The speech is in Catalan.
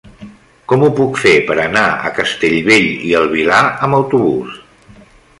Com ho puc fer per anar a Castellbell i el Vilar amb autobús?